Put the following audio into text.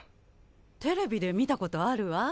テレビで見たことあるわ。